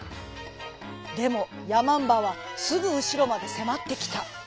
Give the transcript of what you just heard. でもやまんばはすぐうしろまでせまってきた。